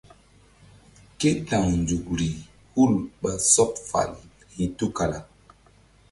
Ké ta̧w nzukri hul ɓa sɔɓ fal hi̧ tukala.